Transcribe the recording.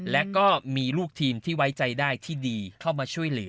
และก็มีลูกทีมที่ไว้ใจได้ที่ดีเข้ามาช่วยเหลือ